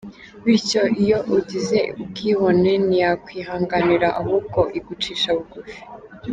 Bityo iyo ugize ubwibone ntiyakwihanganira ahubwo igucisha bugufi.